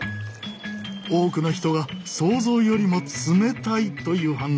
多くの人が想像よりも冷たいという反応。